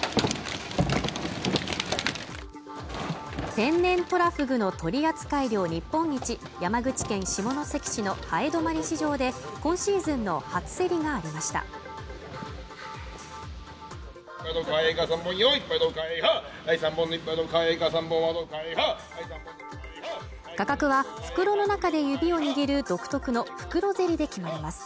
天然トラフグの取扱量日本一山口県下関市の南風泊市場で今シーズンの初競りがありました価格は袋の中で指を握る独特の袋競りで決まります